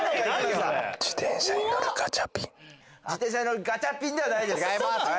ピンポン自転車に乗るガチャピンではないです。